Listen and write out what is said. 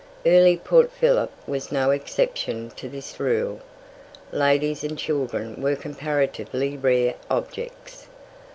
Early Port Phillip was no exception to this rule. Ladies and children were comparatively rare objects.